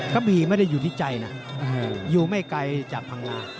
กะบี่ไม่ได้อยู่ที่ใจนะอยู่ไม่ไกลจากพังงา